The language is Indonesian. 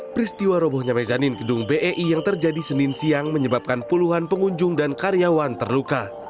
peristiwa robohnya mezanin gedung bei yang terjadi senin siang menyebabkan puluhan pengunjung dan karyawan terluka